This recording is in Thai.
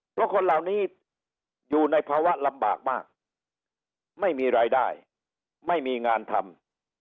เพราะคนเหล่านี้อยู่ในภาวะลำบากมากไม่มีรายได้ไม่มีงานทำ